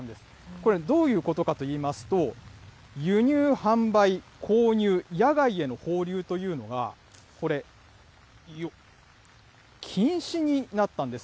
これ、どういうことかといいますと、輸入・販売、購入、野外への放流というのが、これ、禁止になったんです。